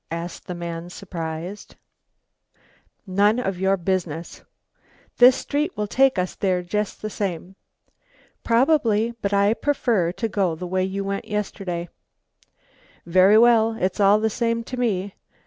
asked the man, surprised. "None of your business." "This street will take us there just the same." "Probably, but I prefer to go the way you went yesterday." "Very well, it's all the same to me."